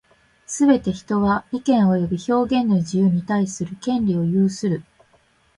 すべて人は、意見及び表現の自由に対する権利を有する。